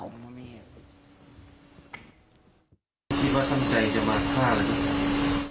คิดว่าตั้งใจจะมาฆ่าอะไรนะ